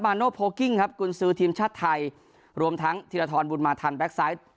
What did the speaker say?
มาโน้ตโพลกิ้งครับกุลซื้อทีมชาติไทยรวมทั้งธีรฐรบุรมาธรรมแบ็คไซต์